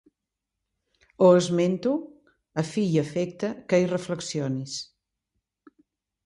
Ho esmento a fi i efecte que hi reflexionis.